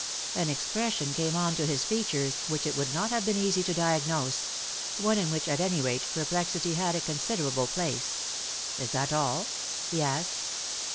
An expression came on to his features which it would not have been easy to diagnose ; one in which at any rate perplexity had a considerable place. " Is that all?" he asked.